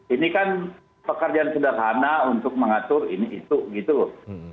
ini kan pekerjaan sederhana untuk mengatur ini itu gitu loh